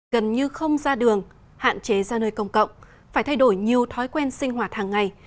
gần như không ra đường hạn chế ra nơi công cộng phải thay đổi nhiều thói quen sinh hoạt hàng ngày